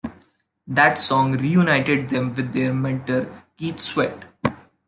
That song reunited them with their mentor Keith Sweat.